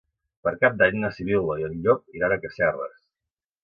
Per Cap d'Any na Sibil·la i en Llop iran a Casserres.